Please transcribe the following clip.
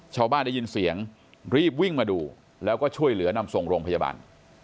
ชาวบ้านได้ยินเสียงรีบวิ่งมาดูแล้วก็ช่วยเหลือนำส่งโรงพยาบาล